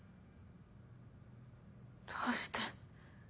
どうして。